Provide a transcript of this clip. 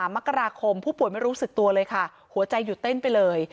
มกราคมผู้ป่วยไม่รู้สึกตัวเลยค่ะหัวใจหยุดเต้นไปเลย